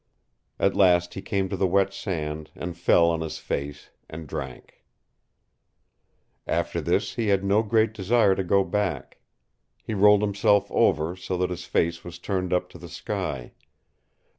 At last he came to the wet sand, and fell on his face, and drank. After this he had no great desire to go back. He rolled himself over, so that his face was turned up to the sky.